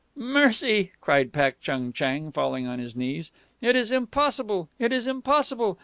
"Mercy!" cried Pak Chung Chang, falling on his knees. "It is impossible! It is impossible!